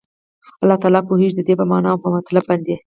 الله تعالی پوهيږي ددي په معنا او مطلب باندي